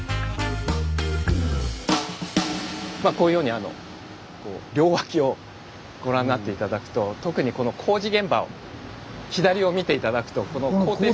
まあこういうように両脇をご覧になって頂くと特にこの工事現場を左を見て頂くとこの高低差が。